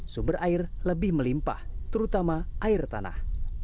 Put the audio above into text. sumber air lebih melimpah terutama air tanah